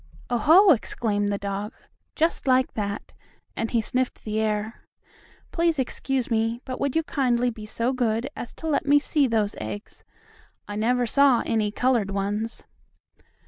"Oh, ho!" exclaimed the dog, just like that, and he sniffed the air. "Please excuse me. But would you kindly be so good as to let me see those eggs? I never saw any colored ones."